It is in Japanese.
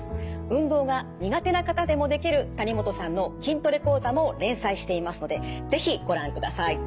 運動が苦手な方でもできる谷本さんの筋トレ講座も連載していますので是非ご覧ください。